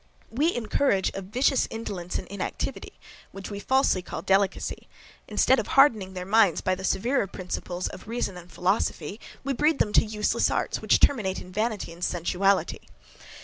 We encourage a vicious indolence and inactivity, which we falsely call delicacy; instead of hardening their minds by the severer principles of reason and philosophy, we breed them to useless arts, which terminate in vanity and sensuality.